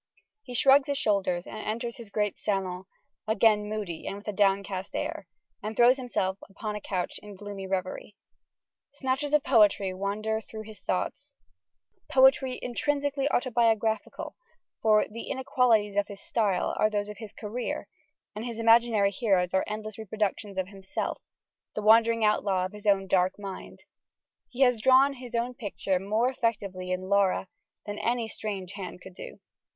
He shrugs his shoulders and enters his great salon, again moody and with a downcast air: and throws himself upon a couch in gloomy reverie. Snatches of poetry wander through his thoughts poetry intrinsically autobiographical, for "the inequalities of his style are those of his career," and his imaginary heroes are endless reproductions of himself, "the wandering outlaw of his own dark mind." He has drawn his own picture more effectively in Lara than any strange hand could do.